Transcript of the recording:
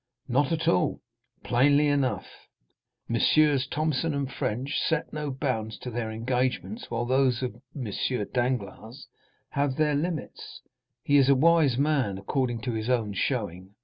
"Not at all." "Plainly enough; Messrs. Thomson & French set no bounds to their engagements while those of M. Danglars have their limits; he is a wise man, according to his own showing."